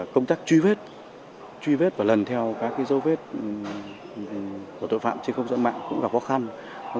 công tác truy vết truy vết và lần theo các dấu vết của tội phạm trên không gian mạng cũng gặp khó khăn